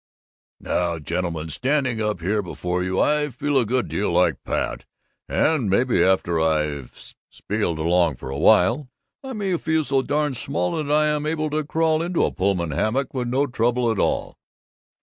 "'Now, gentlemen, standing up here before you, I feel a good deal like Pat, and maybe after I've spieled along for a while, I may feel so darn small that I'll be able to crawl into a Pullman hammock with no trouble at all, at all!